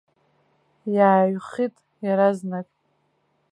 Иааҩхит иаразнак.